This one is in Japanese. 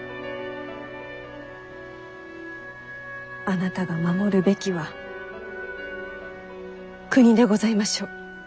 あなたが守るべきは国でございましょう。